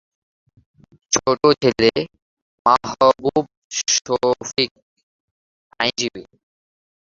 ছোট ছেলে মাহবুব শফিক আইনজীবী।